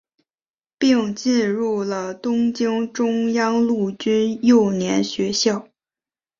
并进入了东京中央陆军幼年学校。